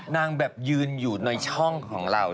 นางแบบยืนอยู่ในช่องของเรา